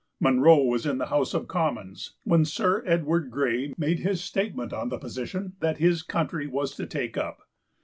Munro was in the House of Commons when Sir Edward Grey made his statement on the position that this country was to take up.